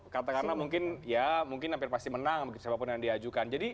karena mungkin ya mungkin empire pasti menang begitu siapapun yang diajukan jadi